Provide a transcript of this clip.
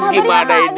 sabarnya pak d